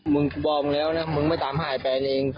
มึงบอกมึงแล้วนะมึงไม่ตามหาแฟนเอง